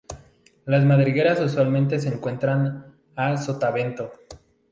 Las madrigueras usualmente se encuentran a sotavento.